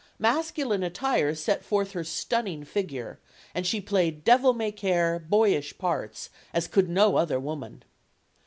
Masculine attire set forth her stunning figure, and she played devil may care, boyish parts as could no other woman.